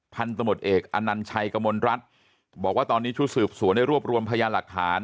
พันธมตเอกอนัญชัยกมลรัฐบอกว่าตอนนี้ชุดสืบสวนได้รวบรวมพยานหลักฐาน